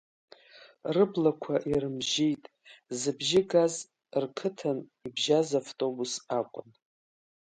Рыблақәа ирымжьеит, зыбжьы газ рқыҭан ибжьаз автобус акәын.